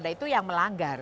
nah itu yang melanggar